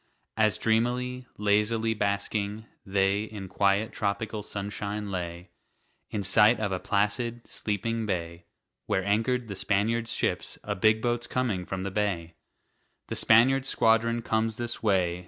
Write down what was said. As dreamily, lazily basking, they In quiet tropical sunshine lay, In sight of a placid, sleeping bay, Where anchored the Spaniard's ships, "A big boat's coming from the bay! The Spaniard's squadron comes this way!"